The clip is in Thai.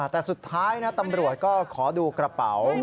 แต่สุดท้ายนะตำรวจก็ขอดูกระเป๋า